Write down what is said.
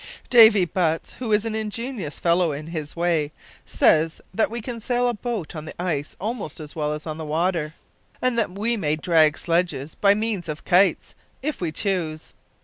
"Davy Butts, who is an ingenious fellow in his way, says that we can sail a boat on the ice almost as well as on the water, and that we may drag sledges by means of kites, if we choose.